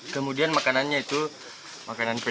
kemudian makanannya itu makanan fair